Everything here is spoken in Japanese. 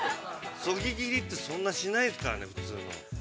◆そぎ切りって、そんなにしないですからね、普通は。